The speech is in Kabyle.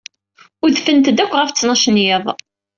Udfent-d akk ɣef ttnac n yiḍ.